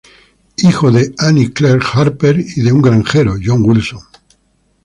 Hijo de un granjero, John Wilson, y de Annie Clerk Harper.